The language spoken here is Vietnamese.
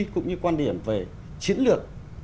cũng như quan điểm về chiến lược